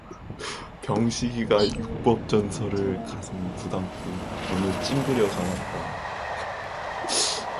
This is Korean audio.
병식이가 육법전서를 가슴에 붙안고 눈을 찌그려 감았다.